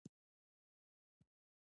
آیا میاشت پوره شوه چې موږ پیسې واخلو؟